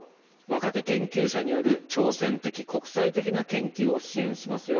若手研究者による挑戦的、国際的な研究を支援しますよ。